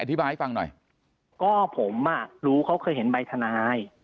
อธิบายให้ฟังหน่อยก็ผมอ่ะรู้เขาเคยเห็นใบทนาย